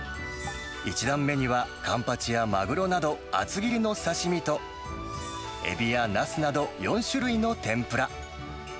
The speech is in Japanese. １段目にはカンパチやマグロなど、厚切りの刺身と、エビやナスなど４種類の天ぷら。